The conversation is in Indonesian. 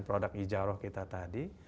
produk ijaroh kita tadi